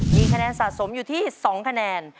มีคะแนนสะสมอยู่ที่๒คะแนน